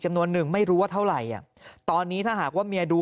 หนึ่งไม่รู้ว่าเท่าไหร่อ่ะตอนนี้ถ้าหากว่าเมียดู